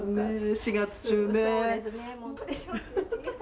４月中ね。